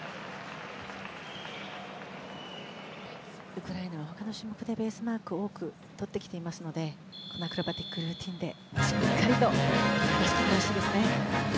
ウクライナは他の種目でベースマークを多く取ってきていますのでアクロバティックルーティンでしっかりと出し切ってほしいですね。